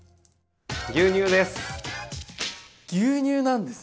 牛乳です。